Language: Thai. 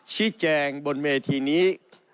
ชี้แจงบนเวทีนี้